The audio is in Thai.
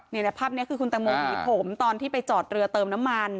ภาพนี้คือคุณตังโมผีผมตอนที่ไปจอดเรือเติมน้ำมัน